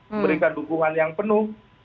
memberikan dukungan yang penuh